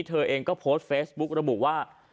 เธอเองก็โพสต์เฟซบุ๊กระบุว่า